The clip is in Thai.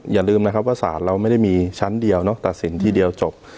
อย่าลืมนะครับว่าศาลเราไม่ได้มีชั้นเดียวเนาะตัดสินทีเดียวจบ